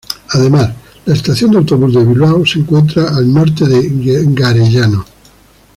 Además, la estación de autobús de Bilbao se encuentra al norte de Garellano.